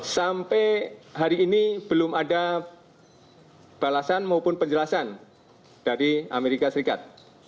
sampai hari ini belum ada balasan maupun penjelasan dari amerika serikat